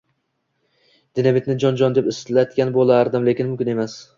Dinamitni jon-jon deb ishlatgan bo`lardik, lekin mumkin emas